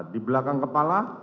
di belakang kepala